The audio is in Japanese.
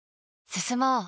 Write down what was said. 進もう。